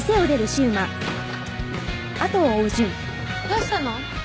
どうしたの？